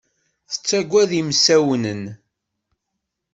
Tettaggad imsawnen.